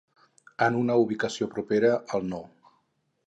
En una ubicació propera, al no.